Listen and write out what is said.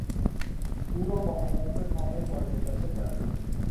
او را با حقوق کامل بازنشسته کردند.